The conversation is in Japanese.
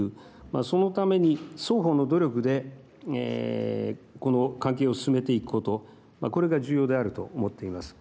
そのために双方の努力でこの関係を進めていくことこれが重要であると思っています。